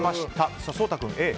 颯太君、Ａ。